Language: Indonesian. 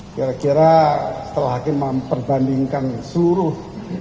kira kira setelah hakim memperbandingkan seluruh